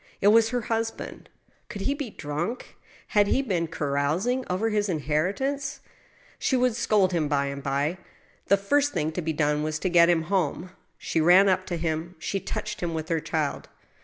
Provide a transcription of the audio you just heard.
It was her husband. Could he be drunk? Had he been carousing over his inheritance ? She would scold him by and by. The first thing to be done was to get him home. She ran up to him. She touched him with her child.